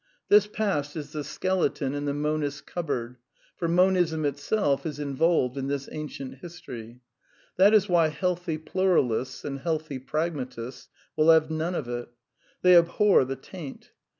This past is the skeleton in the monist's cupboard; for Monism itself is involved in this ancient history. That is why healthy pluralists and healthy pragmatists will have none of it. They abhor the taint.